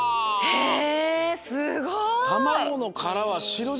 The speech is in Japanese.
へえ！